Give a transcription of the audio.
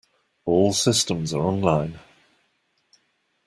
All systems are online.